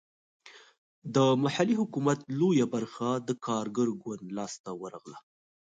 د محلي حکومت لویه برخه د کارګر ګوند لاسته ورغله.